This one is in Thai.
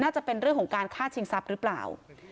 จะเป็นเรื่องของการฆ่าชิงทรัพย์หรือเปล่า